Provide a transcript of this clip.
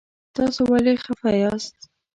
تاسو ولې خفه یاست؟